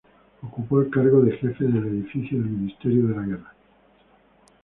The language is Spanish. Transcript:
Ocupó el cargo de jefe de edificio del Ministerio de Guerra.